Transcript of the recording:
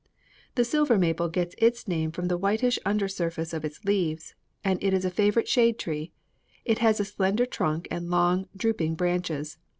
The silver maple gets its name from the whitish under surface of its leaves, and it is a favorite shade tree; it has a slender trunk and long, drooping branches.